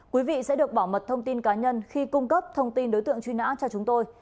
quý vị sẽ được bảo mật thông tin cá nhân khi cung cấp thông tin đối tượng truy nã cho chúng tôi